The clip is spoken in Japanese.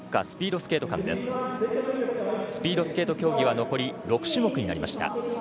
スピードスケート競技は残り６種目になりました。